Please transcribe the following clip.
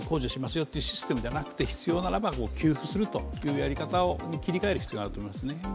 よってシステムじゃなくて必要ならば給付するというやり方に切り替える必要があると思いますね。